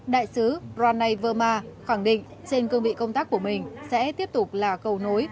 đại sứ pranay verma khẳng định trên cương vị công tác của mình sẽ tiếp tục là cầu nối